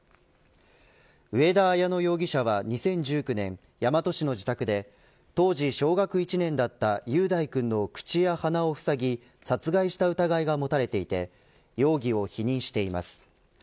上田綾乃容疑者は２０１９年大和市の自宅で当時小学１年だった雄大くんの口や鼻をふさぎ殺害した疑いが持たれていて容疑を否認しています。